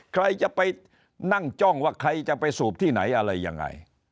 ใครจะไปนั่งจ้องว่าใครจะไปสูบที่ไหนอะไรยังไง